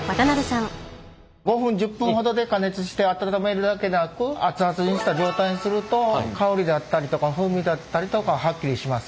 ５分１０分ほどで加熱して温めるだけでなく熱々にした状態にすると香りであったりとか風味だったりとかははっきりします。